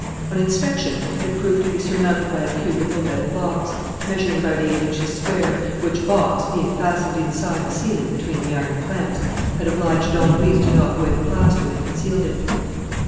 On inspection, it proved to be surmounted by a cubical metal box, measuring about eight inches square, which box, being fastened inside the ceiling between the iron clamps, had obliged Don Luis to knock away the plaster that concealed it.